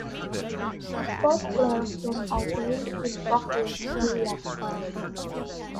Boetcker was ordained in Brooklyn, New York.